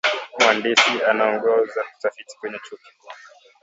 Mhandisi anaongoza utafiti kwenye chuo kikuu